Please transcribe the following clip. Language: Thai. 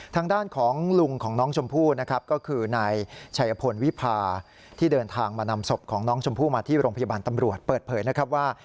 ทางด้านของลุงของน้องชมพู่นะครับก็คือนายชัยพลวิพาที่เดินทางมานำศพของน้องชมพู่มาที่โรงพยาบาลตำรวจเปิดเผยนะครับว่า